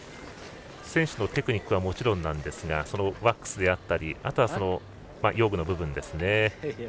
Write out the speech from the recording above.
選手のテクニックはもちろんなんですがワックスだったりあとは用具の部分ですね。